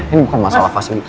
ini bukan masalah fasilitas